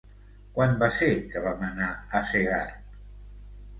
Quan va ser que vam anar a Segart?